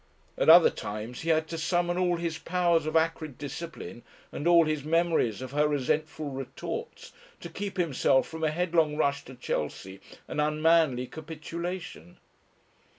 At other times he had to summon all his powers of acrid discipline and all his memories of her resentful retorts, to keep himself from a headlong rush to Chelsea and unmanly capitulation.